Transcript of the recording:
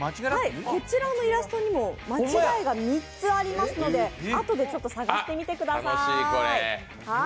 こちらのイラストにも間違いが３つありますのであとで探してみてください。